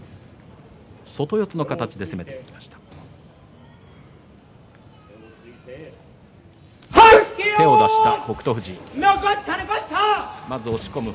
外四つの形で攻めていきました。